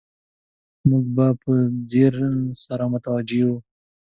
موږ به په ځیر سره متوجه وو.